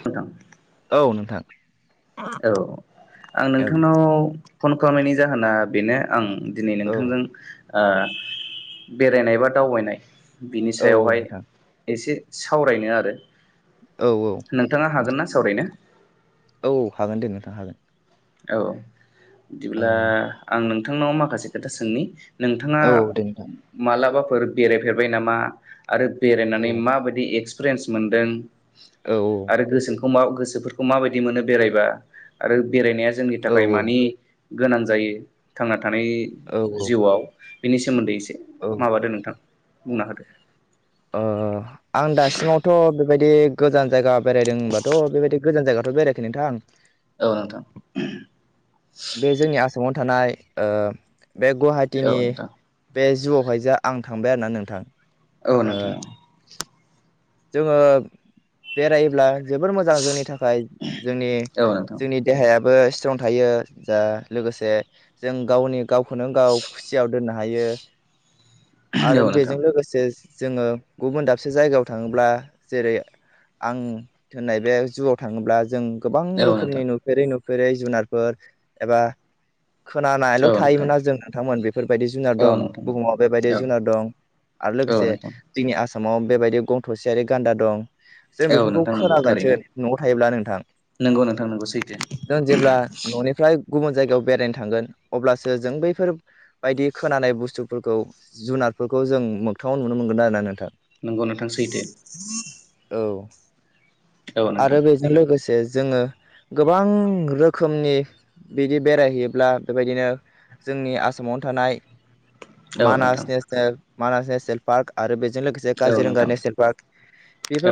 नोंथां । औ नोंथां। औ आं औ नोंथांनाव फन खालामनायनि जाहोना बेनो आं दिनै औ नोंथांजों ओ बेरायनाय बा दावबायनाय बिनि औ औ सायावहाय नोंथां एसे सावरायनो आरो। औ औ नोंथाङा हागोन नोंथां ना सावरायनो? औ हागोन दे नोंथां हागोन। औ बिदिब्ला ओ आं नोंथांनाव माखासे खोथा सोंनि नोंथाङा औ दे नोंथां मालाबाफोर बेरायफेरबाय नामा आरो औ बेरायनानै माबायदि एक्सपिरियेन्स मोनदों औ आरो गोसोखौ मा गोसोफोरखौ माबायदि मोनो बेरायबा आरो बेरायनाया जोंनि औ थाखाय मानि गोनां जायो थांना थानाय औ जिउआव बेनि सोमोन्दै एसे औ माबादो नोंथां बुंना होदो। ओ आं दासिमावथ' बेबायदि गोजान जायगा बेरायदों होनबाथ' बेबायदि गोजान जायगाथ' बेरायाखै नोंथांं औ नोंथां बे जोंनि आसामाव थानाय ओ बे औ गुवाहाटिनि नोंथां बे जुआवहायजा आं थांबाय आरो ना नोंथां। औ नोंथां। जोंङो बेरायोब्ला जोबोर मोजां जोंनि थाखाय जोंनि औ नोंथां औ जोंनि देहायाबो स्त्रं थायो जा लोगोसे जों गावनि गावखौनो गाव खुसियाव दोननो हायो आरो नोंथां बेजों लोगोसे जोंङो गुबुन दाबसे जायगायाव थाङोब्ला जेरै आं दोननाय बे जुआव थांङोब्ला जों गोबां औ नोंथां रोखोमनि नुफेरै नुफेरै जुनारफोर एबा खोनानायल औ नोंथां थायोमोन आरो जों नोंथांमोन बेफोरबायदि जुनार औ दं बुहुमाव बेबायदि नोंथां औ जुनार दं आरो औ लोगोसे नोंथां जोंनि आसामाव बेबायदि गं थसेयारि गान्दा दं जों औ बेफोरखौ नोंथां नंगौ खोनागोनसो थारैनो नआव थायोब्ला नोंथां नंगौ नोंथां नंगौ सैथो जों जेब्ला ननिफ्राय गुबुन जायगायाव बेरायनो थांगोन अब्लासो जों बैफोरबायदि खोनानाय बुस्थुफोरखौ जुनार फोरखौ जों मोगथांङाव नुनो मोनोन आरोना नोंथां नोंगौ नोंथां सैथो औ औ नोंथां आरो बेजों लोगोसे जोंङो गोबां रोखोमनि बिदि बेरायहैयोब्ला बेबायदिनो जोंनि आसामावनो थानाय औ नोंथां मानास नेनेल मानास नेसनेल पार्क आरो बेजों लोगोसे औ काजिरंगा नोंथां नेसनेल पार्क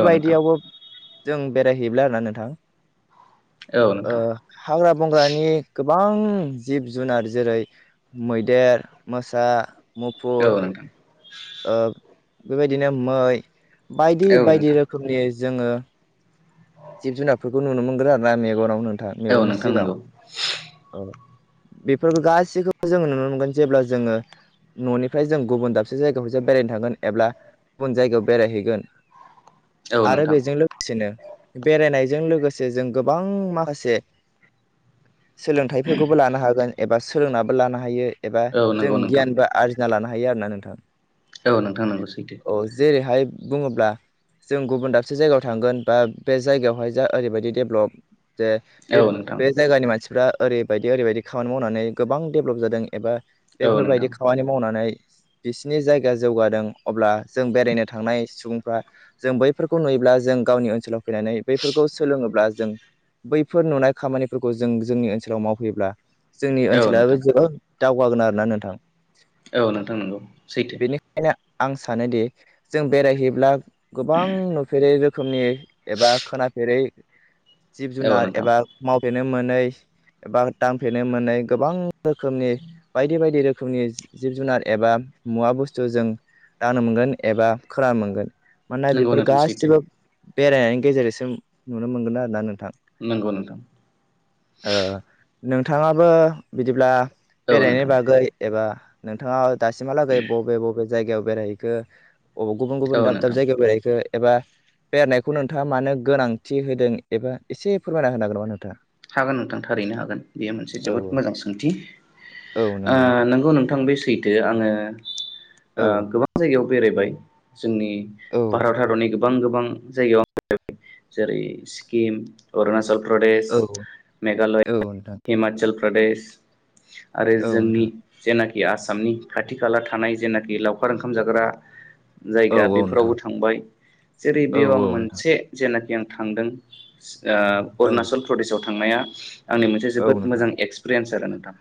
औ नोंथां औ नोंथां जों बेरायहैब्ला आरोना नोंथां औ ओ नोंथां हाग्रा बंग्रानि गो- बां जिब जुनार जेरै मैदेर मोसा मुफुर औ नोंथां ओ बेबायदिनो मै बायदि बायदि नोंथां रोखोमनि जोंङो जिब जुनारफोरखौ नुनो मोनगोन आरो ना मेगनाव नोंथां औ मेगननि नोंथां सिगांङाव नंगौ औ बेफोरखौ गासैखौबो जोंङो नुनो मोनगोन जेब्ला जोंङो ननिफ्राय जों गुबुन दाबसे जायगाहावजा बेरायनो थांगोन एब्ला गुबुन जायगायाव बेरायहैगोन औ आरो नोंथां बेजों लोगोसेनो बेरायनायजों लोगोसे जों गोबां माखासे सोलोंथाइफोरखौबो लानो हागोन एबा सोलोंनाबो लानो हायो एबा औ जों नंगौ नोंथां गियानबो आरजि ना लानो हायो आरो ना नोंथां औ नोंथां नोंगौ सैथो बुंङोब्ला जों गुबुन दाबसे जायगायाव थांगोन बा बे जायगायावहाय जा ओरैबायदि डेभलप जे औ बे नोंथां बे जायगानि मानसिफ्रा ओरैबायदि ओरैबायदि खामानि मावनानै गोबां डेभेलप जादों एबा औ नोंथां बेफोरबायदि खामानि मावनानै बिसिनि जायगा जौगादों अब्ला जों बेरायनो थांनाय सुबुंफ्रा जों बैफोरखौ नुयोब्ला ब्ला जों गावनि ओनसोलाव फैनानै बेफोरखौ सोलोंङोब्ला जों बैफोर नुनाय खामानिफोरखौ जों जोंनि ओनसोलाव मावफैयोब्ला जोंनि औ ओनसोलाबो नोंथां जोबोद दावगागोन आरोना नोंथां औ नोंथां नंगौ सैथो बेनिखायनो आं सानोदि जों बेरायहैयोब्ला गोबां नुफेरै रोखोमनि एबा खोनाफेरै जिब औ जुनार नोंथां एबा मावफेरनो मोनै एबा दांफेरनो मोनै गोबां रोखोमनि बायदि बायदि रोखोमनि जिब जुनार एबा मुवा बुस्थु जों दांनो मोनगोन एबा खोनानो मोनगोन मानोना नंगौ बेफोर नोंथां सैथो गासिबो बेरायनायनि गेजेरजोंसो नुनो मोनगोन आरोना नोंथां नोंगौ नोंथां ओ नोंथाङाबो बिदिब्ला औ बेरायनायनि नोंथां बागै एबा नोंथाङा दासिमहालागै बबे बबे जायगायाव बेरायहैखो अब गुबुन गुबुन औ दाब दाब नोंथां जायगायाव बेरायहैखो एबा बेरायनायखौ नोंथाङा मानो गोनांथि होदों एबा एसे फोरमायना होनागोन नामा नोंथाङा हागोन नोंथां थारैनो हागोन बेयो मोनसे जोबोद हागोन मोजां सोंथि ओ नामा नोंथाङा? नोंगौ नोंथां बे सैथो आङो औ ओ गोबां जायगायाव बेरायबाय जोंनि औ भारत हादरनि गोबां गोबां जायगायाव जेरै सिक्किम अरुणाचल प्रदेश औ मेघालय नंगौ नोंथां हिमाचल प्रदेश आरो जोंनि जेनाखि दि आसामनि खाथि खाला थानाय जेनाखि लावखार ओंखाम जाग्रा औ नोंथां औ नोंथां औ जायगा औ नोंथां बेफोरावबो थांबाय जेरै औ बेयाव आं मोनसे जेनाखि आं थांदों ओ अरूणाचल प्रदेश आव थांनाया आंनि मोनसे औ जोबोद नोंथां मोजां एक्सपिरियेन्स आरो नोंथां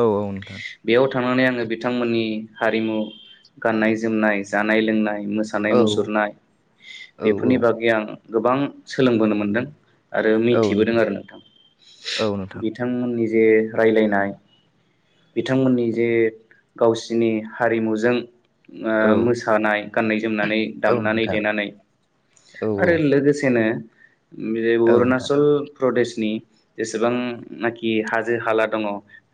औ नोंथां औ नोंथां बेयाव थांनानै आङो बिथांमोननि हारिमु गाननाय जोमनाय जानाय लोंनाय मोसानाय औ मुसुरनाय औ बेफोरनि बागै आं गोबां सोलोंबोनो मोनदों आरो मिथिबोदों आरो नोंथां औ नोंथां बिथांमोननि जे रायलायनाय बिथांमोननि जे गावसिनि हारिमुजों औ ओ मोसानाय गाननाय जोमनानै औ दामनानै नोंथां देनानै औ आरो लोगोसेनो बे औ नोंथां उरणाचल प्रदेशनि जेसेबां नाखि हाजो हाला दङ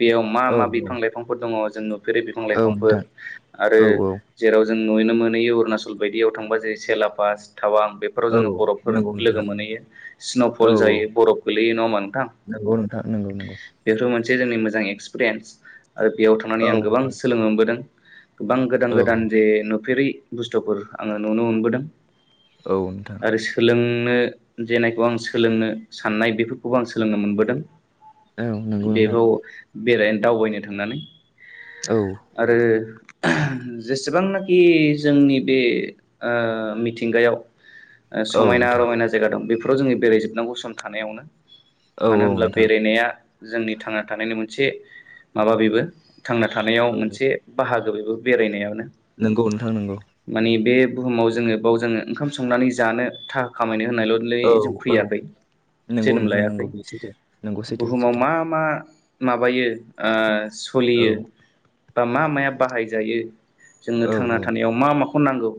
बेयाव मा मा औ औ बिफां लाइफांफोर दङ जों फोरि बिफां औ नोंथां लाइफांफोर आरो औ जेराव जों नुयनो मोनहैयो उरणाचल बायदियाव थांबा जेरै सेलापास थावां बेफोराव औ जोङो बरफोर नंगौ लोगो नोंथां मोनहैयो स्नफल जायो बरफ गोलैयो नङा ओमबा नोंथां नोंगौ नोंथां नंगौ नंगौ बेफोर मोनसे जोंनि मोजां एक्सपिरेन्स आरो बेयाव थांनानै औ आं गोबां नोंथां सोलों मोनबोदों गोबां गोदान औ गोदान जे नुफेरै बुस्थुफोर आङो नुनो मोनबोदों औ नोंथां आरो सोलों आंनो जेनायखौ आं सोलोंनो साननाय बेफोरखौबो आं सोलोंनो मोनबोदों औ नोंगौ नोंथां बेरायनो दावबायनो थांनानै औ आरो जेसेबांनाखि जोंनि बे ओ मिथिंगायाव ओ औ समायना नोंथां रमायना जायगा दं बेफोराव जोङो बेरायजोबनांगौ सम थानायावनो औ औ नोंथां एआ जोंनि थांना थानायनि मोनसे माबा बेबो थांना थानायाव मोनसे बाहाग ओ बेबो बेरायनायानो नोंगौ नोंथां नोंगौ बुहुमाव जोङो बाव जोङो ओंखाम संनानै जानो थाखा खामायनो होनायललै औ जों औ फैयाखै नंगौ जोनोम नोंथां लायाखै नंगौ बे सैथो नंगौ सैथो बुहुमाव सैथाम मा मा माबायो ओ औ सलियो बा मा माया बाहायजायो जोंनो औ थांना औ थानायाव मा माखौ नांगौ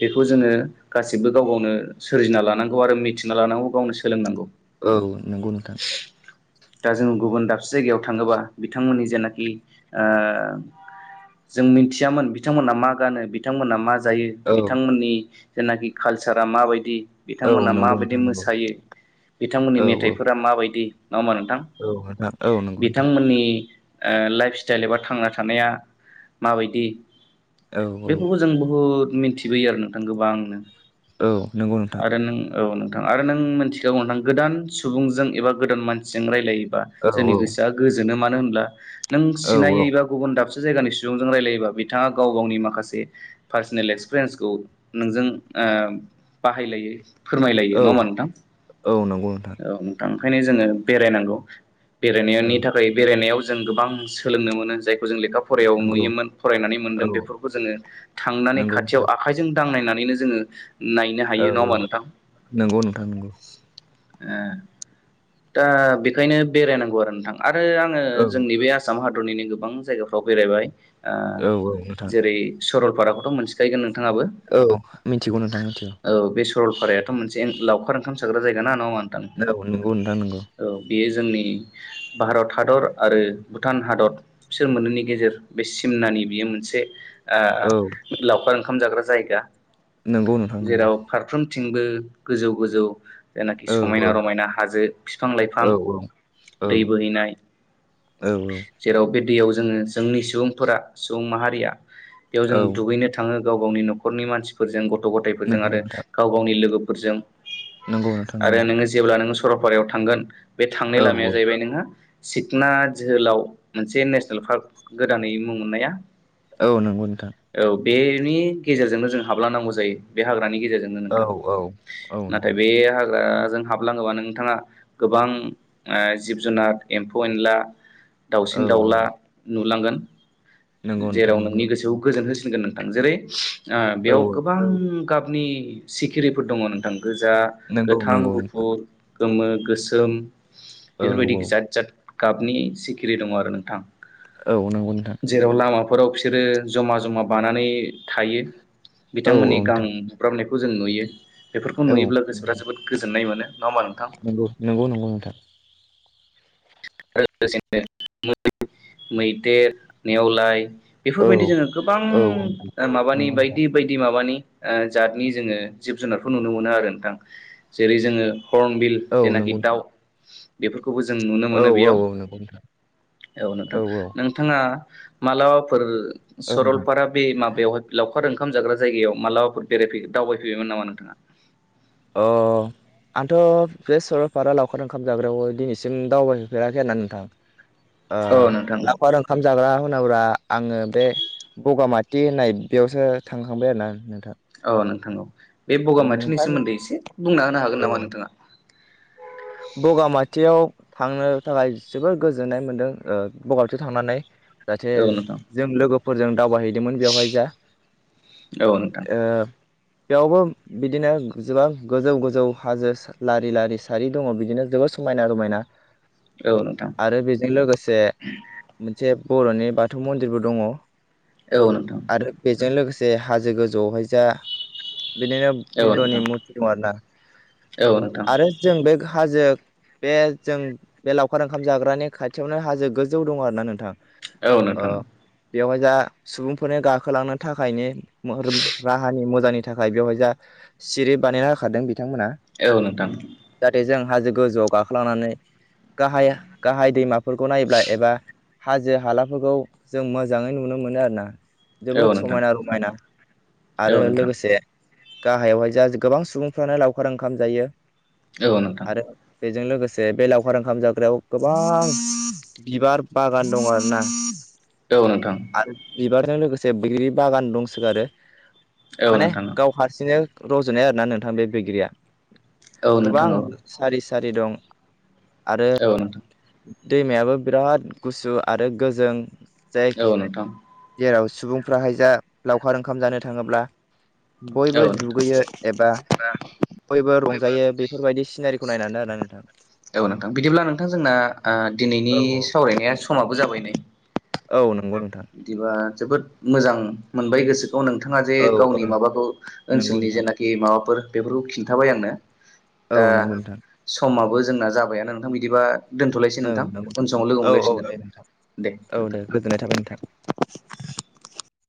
बेखौ जोङो गासिबो गाव गावनो सोरजिना लानांगौ आरो मिथिना लानांगौ गावनो सोलोंनांगौ औ नोंगौ नोंथां दा जोङो गुबुन दाबसे जायगायाव थाङोबा बिथांमोननि जेनाखि ओ जों मिथियामोन बिथांमोना मा गानो बिथांमोना मा जायो औ बिथांमोननि जेनाखि कालसारा माबायदि औ बिथांमोना नंगौ माबायदि नोंथां नंगौ मोसायो बिथांमोननि औ औ मेथाइफोरा माबायदि नङा होमा नोंथां औ नोंथां औ नंगौ नोंथां बिथांमोननि ओ लाइफ स्टाइल एबा थांना थानाया माबायदि औ औ बेफोरखौ जों बुहुद मिथिबोयो आरो नोंथां गोबांनो औ नंगौ नोंथां नोथां आरो नों मिथिखागौ नोंथां गोदान सुबुंजों एबा गोदान मानसिजों रायलायो बा औ जोंनि गोसोआ मानो होनब्ला नों औ सिनायै बा‌ गुबुन‌ दाबसे जायगानि सुबुंजों रायलायोबा बिथाङा गाव गावनि माखासे पार्सनेल एक्सपिरेनसखौ नोंजों ओ बाहाय लायो फोरमाय लायो औ नङा होनबा नोंथां? औ नंगौ नोंथां औ नोंथां। ओंखायनो जोङो बेरायनांगौ औ बेरायनायनि थाखाय बेरायनायाव जों गोबां सोलोंनो मोनो जाय जों लेखा फरायाव नंगौ नुयोमोन फरायनानै औ मोनदों बेफोरखौ जोङो थांनानै नंगौ खाथियाव नोंथां आखाइजों दांनायनानै जोङो नायनो हायो औ नङा औ होनबा नोंथां नंगौ नोंथां नंगौ दा बेखायनो बेरायनांगौ आरो नोंथां आरो आङो औ जोंनि बे आसाम हादरनिनो गोबां जायगाफ्राव बेरायबाय। ओ औ औ नोंथां जेरै सरलपाराखौथ' मोनथिखायगोन नों- नोंथांआबो औ मिथिगौ नोंथां मिथिगौ औ बेस- सरलपारायाथ' मोनसे लावखार ओंखाम जाग्रा जायगाना नङा होनबा औ नंगौ नोंथां नंगौ जोंनि भारत हादर आरो भुटान हादर बिसोर मोनैनि गेजेर बे सिमनानि- नै बेयो मोनसे औ लावखार ओंखाम जाग्रा जायगा नंगौ नोंथां नंगौ जेथिंबो गोजौ गोजौ जायनाखि औ समायना औ रमायना हाजो बिफां औ लाइफां दै बोहैनाय औ-औ जेराव बे दैयाव जोङो जोंनि सुबुंफोरा सुबुं माहारिया बेयाव जों औ दुगैनो थाङो‌ गाव गावनि न'खरनि मानसिफोरजों गथ' गथाइफोरजों नंगौ आरो नोंथां गाव गावनि लोगोफोरजों नंगौ नोंथां आरो नंगौ नोङो जेब्ला नोङो सरलपारायाव थांगोन बे थांनाय औ लामाया जाहैबाय नोंहा सिकना जोहोलाव मोनसे नेसनेल पार्क गोदानै मुं मोननाया। औ नंगौ नोंथां। औ बेनि गेजेरजोंनो जों हाबलांनांगौ जायो बे हाग्रानि गेजेरजोंनो औ नोंथां औ औ ना नोंथां हागाजों हाबलाङोबा नोंथाङा गोबां ओ जिब जुनार एम्फौ एनला औ दावसिन दावला औ नुलांगोन। नंगौ नोंथां जेराव नंगौ नोंनि गोसोखौ गोजोन होसिनगोन नोंथां जेरै ओ औ बेयाव गोबां गाबनि सिखिरिफोर दंङो नोंथां, गोजा, नंगौ गोथां, नंगौ नोंथां गुफुर गोमो, गोसोम औ बेफोरबायदि औ जाद जाद गाबनि सिखिरि दङ आरो नोंथां। औ नंगौ नोंथां। न'राव बिसोरो जमा जमा बानानै थायो औ औ बिथांमोननि गां नोंथां हब्रामनाय खौ जों नुयो बेफोरखौ औ नुयोब्ला गोसोफा जोबोद गोजोननाय मोनो नङा होमबा नोंथां नंगौ, नंगौ नंगौ नोंथां। आरो लोगोसेनो मै मैदेर नेवलाय औ बेफोरबायदि जोंङो गोबां औ नोंथां ओ माबानि नंगौ नोंथां बायदि बायदि माबानि ओ जातनि जोंङो जिब जुनारखौ नुनो मोनो आरो नोंथां, जेरै जोंङो हर्नबिल औ जेनाखि नंगौ दाव नोंथां बेफोरखौबो जों नुनो औ मोनो औ बेयाव, नंगौ नोंथां औ नोंथां, नोंथांङा मालाबाफोर औ नोंथां सरलपारा बे माबा बेवहाय लावखार ओंखाम जाग्रा जायगायाव मालाबाफोर बेरायफै दावबायहैबायमोन नामा नोंथाङा? ओ आंथ' बे सरलपारा लावखार ओंखाम जाग्रायाव दिनैसिम दावबायहैफेराखै आरो ना नोंथां ओ औ नोंथां लावखार ओंखाम जाग्रा सोरनावा आङो बे बगामाथि होननाय बेयावसो थांखांबाय आरोना नोंथां औ नोंथां औ नोंथां, बे बगामाथिनि नोंथां सोमोन्दै एसे बुंना होनो हागोन नामा औ नोंथाङा? [inaudible] बगामाथियाव थांनो थाखाय जोबोर गोजोननाय मोनदों ओ बगामाथियाव थांनानै जाहाथे औ नोंथां जों लोगोफोरजों दावबायहैदोंमोन बेवहाय जा औ नोंथां अ बेयावबो बिदिनो जोबां गोजौ गोजौ हाजो लारि लारि सारि दङ बिदिनो जोबोद समायना रमायना। औ नोंथां आरो बेजों लोगोसे मोनसे बर'नि बाथौ मन्दिरबो दङ' । औ नोंथां आरो बेजों लोगोसे हाजो गोजौआवहाय जा बिदिनो औ बुद्धनि नोंथां मुरति दं आरो ना औ नोंथां आरो जों बे हाजो। बे जों बे लावखार ओंखाम जाग्रानि खाथियावनो हाजो गोजौ दङ आरो ना नोंथां औ ओ नोंथां। बेवहाय जा सुबुंफोरनो गाखोलांनो थाखाय मरुम राहानि मो नि थाखाय बेवहाय जा सिरि बानायना होखादों । औ नोंथां। जाहाथे जों हाजो गोजौआव गाखोलांनानै गाहाय-गाहाय दैमाफोरखौ नायोब्ला एबा हाजो हालाफोरखौ जों मोजाङै नुनो मोनो आरो ना । औ जोबोद नोंथां समायना रमायना आरो औ नोंथां लोगोसे गाहायावहाय जा गोबां सुबुंफ्रानो लावखार ओंखाम जायो । औ नोंथां। बेजों लोगोसे बे लावखार ओंखाम जाग्रायाव गोबां बिबार बागान दं आरो ना । औ नोंथां। बिबारजों लोगोसे बैग्रि बागान दंसोगारो औ माने नोंथां गाव हारसिंनो रज'नाय आरोना नोंथां बे बैग्रिया औ गोबां नोंथां औ सारि-सारि दं आरो औ नोंथां दैमायाबो बिराद गुसु आरो गोजों जाय जेराव सुबुंफ्राहाय जा लावखार ओंखाम जानो थाङोब्ला औ बयबो नोंथां दुगैयो एबा बयबो रं- जायो बेफोरबायदि सिनारिखौ नायनानै आरो नोंथां औ नोंथां बिदिब्ला नोंथां जोंना अ दिनैनि औ सावरायनाया समाबो जाबाय नै औ नंगौ नोंथां बिदिबा जोबोद मोजां मोनबाय गोसो नोंथाङा जे औ गावनि औ माबाखौ नंगौ ओनसोलनि नोंथां जेनाखि माबाफोर बेफोरखौ खिन्थाबाय आंनो दा औ नंगौ नोंथां समाबो जोंना जाबायानो नोंथां बिदिबा दोन्थ'लायसै औ नोंथां नंगौ उन समाव लोगो औ औ हमलायसिनो दे नोंथां दे औ दे नोंथां [inaudible]